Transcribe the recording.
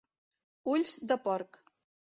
Ulls de porc.